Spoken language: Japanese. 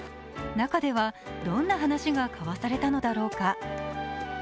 中では、どんな話が交わされたのだろうか。